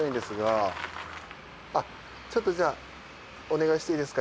ちょっとじゃあお願いしていいですか？